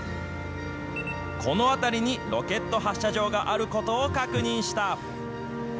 この辺りにロケット発射場があることを確認した。